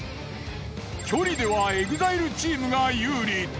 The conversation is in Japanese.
距離ではＥＸＩＬＥチームが有利。